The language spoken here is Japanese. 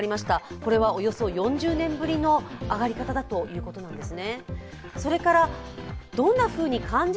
これはおよそ４０年ぶりの上がり方だということなんですね。